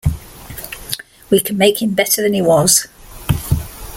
We can make him better than he was.